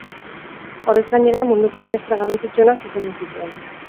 Horrez gainera, munduko orkestra garrantzitsuenak zuzendu zituen.